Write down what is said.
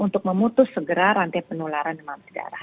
untuk memutus segera rantai penularan emas darah